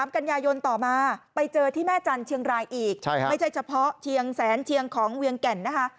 กันยายนต่อมาไปเจอที่แม่จันทร์เชียงรายอีกไม่ใช่เฉพาะเชียงแสนเชียงของเวียงแก่นนะคะ